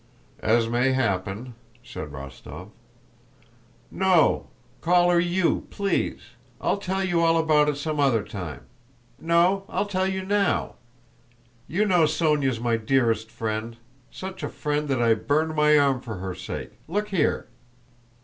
"As may happen," said Rostóv. "No, call her you, please! I'll tell you all about it some other time. No, I'll tell you now. You know Sónya's my dearest friend. Such a friend that I burned my arm for her sake. Look here!"